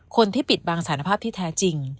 คนที่ปิดบังสารภาพที่แท้จริง